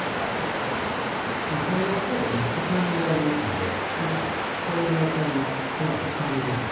このハニーマスタードが少し酸味がありますので添える野菜のトマトの酸味ですね。